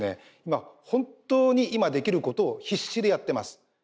今本当に今できることを必死でやってます。